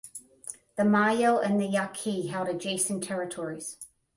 The Mayo and the Yaqui held adjacent territories.